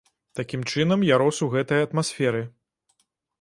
Такім чынам, я рос у гэтай атмасферы.